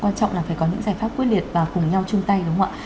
quan trọng là phải có những giải pháp quyết liệt và cùng nhau chung tay đúng không ạ